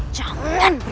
jangan bertindak gampang